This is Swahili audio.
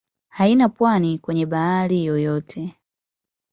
Haina pwani kwenye bahari yoyote.